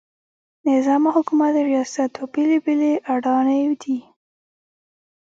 نظام او حکومت د ریاست دوه بېلابېلې اډانې دي.